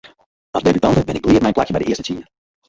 As debutante bin ik al bliid mei in plakje by de earste tsien.